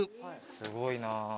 すごいな。